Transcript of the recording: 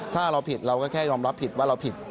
ถ้าเราผิดเราก็แค่ยอมรับผิดว่าเราผิด